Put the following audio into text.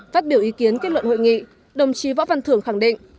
phát biểu ý kiến kết luận hội nghị đồng chí võ văn thưởng khẳng định